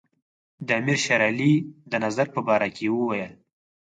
د امیر شېر علي د نظر په باره کې وویل.